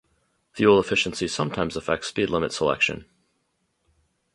Fuel efficiency sometimes affects speed limit selection.